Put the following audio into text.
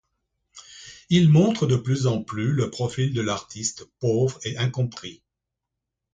Il montre de plus en plus le profil de l’artiste pauvre et incompris.